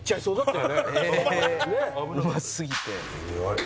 「へえうますぎて」